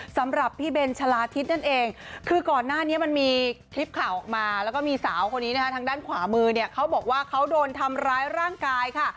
สำหรับพี่เบนชะลาทิศนั่นเองคือก่อนหน้านี้มันมีคลิปข่าวออกมาแล้วก็มีสาวคนนี้นะคะทางด้านขวามือเนี่ยเขาบอกว่าเขาโดนทำร้ายร่างกายค่ะ